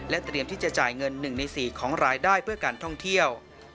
เตรียมที่จะจ่ายเงิน๑ใน๔ของรายได้เพื่อการท่องเที่ยว